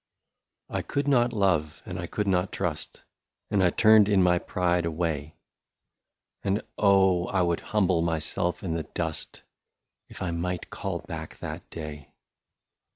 I COULD not love, and I could not trust, And I turned in my pride away, And oh ! I would humble myself in the dust, If I might call back that day.